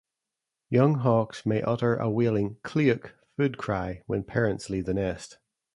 Young hawks may utter a wailing "klee-uk" food cry when parents leave the nest.